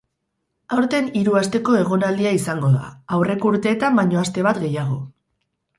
Aurten hiru asteko egonaldia izango da, aurreko urteetan baino aste bat gehiago.